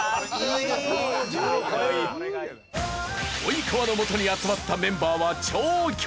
及川のもとに集まったメンバーは超強力！